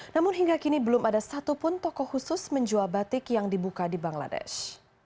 namun hingga kini belum ada satupun toko khusus menjual batik yang dibuka di bangladesh